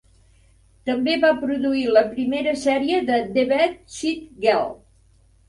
També va produir la primera sèrie de "The Bed-Sit Girl".